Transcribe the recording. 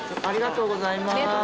ありがとうございます。